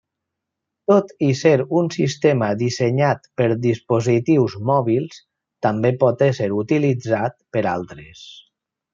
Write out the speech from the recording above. Tot i ser un sistema dissenyat per dispositius mòbils també pot ésser utilitzat per altres.